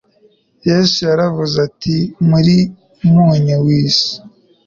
Yesu yaravuze ati: «muri umunyu w'isi».